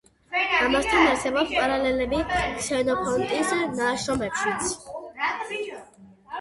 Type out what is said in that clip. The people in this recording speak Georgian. ამასთან, არსებობს პარალელები ქსენოფონტის ნაშრომებშიც.